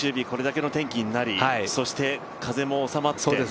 これだけの天気になり、風も収まって。